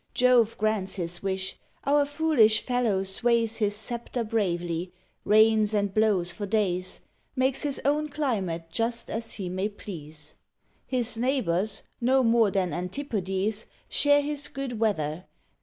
Jove grants his wish our foolish fellow sways His sceptre bravely rains and blows for days; Makes his own climate just as he may please: His neighbours, no more than Antipodes, Share his good weather.